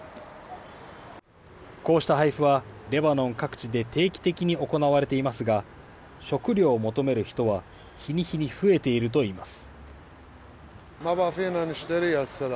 こうした配布は、レバノン各地で定期的に行われていますが、食料を求める人は日に日に増えているといいます。